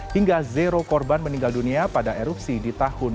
hingga zero korban meninggal dunia pada erupsi di tahun dua ribu dua puluh dua